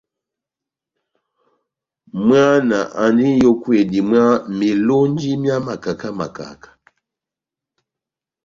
Mwana andi n'yókwedi mwá melonji mia makaka makaka.